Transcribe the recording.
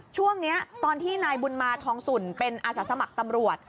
ช่วงนี้ตอนที่นายบุญมาทองสุ่นเป็นอาสาสมัครตำรวจ